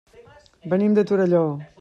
Venim de Torelló.